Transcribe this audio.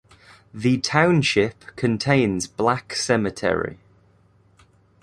The township contains Black Cemetery.